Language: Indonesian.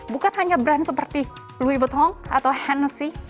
bukan hanya brand seperti louis vuitton atau hennessy